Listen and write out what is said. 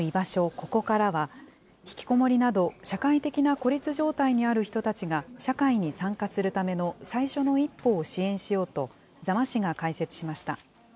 ここからは、引きこもりなど社会的な孤立状態にある人たちが社会に参加するための最初の一歩を支援しようと、座間市が開設しました。